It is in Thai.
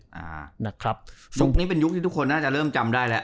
ยุคนี้เป็นยุคที่ทุกคนน่าจะเริ่มจำได้แล้ว